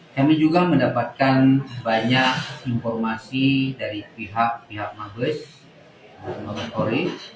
kami juga mendapatkan banyak informasi dari pihak pihak mabespori